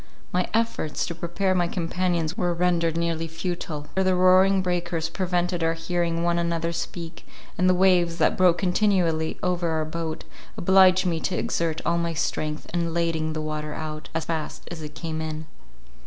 My efforts to prepare my companions were rendered nearly futile —for the roaring breakers prevented our hearing one another speak, and the waves, that broke continually over our boat, obliged me to exert all my strength in lading the water out, as fast as it came in.